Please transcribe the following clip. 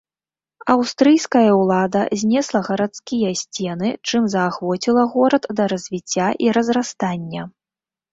Аўстрыйская ўлада знесла гарадскія сцены, чым заахвоціла горад да развіцця і разрастання.